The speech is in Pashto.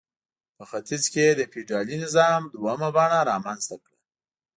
په ختیځ کې یې د فیوډالي نظام دویمه بڼه رامنځته کړه.